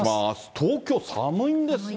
東京、寒いんですね。